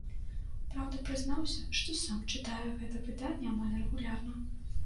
Праўда, прызнаўся, што сам чытае гэта выданне амаль рэгулярна.